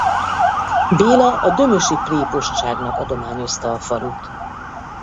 Béla a dömösi prépostságnak adományozta a falut.